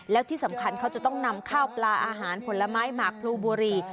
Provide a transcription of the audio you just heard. แล้วที่สำคัญเขาจะต้องนำข้าวปลาอาหารผลไม้หมากพลูบุรี